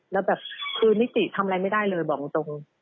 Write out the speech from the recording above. แล้วแบบคือนิติทำอะไรไม่ได้เลยบอกตรง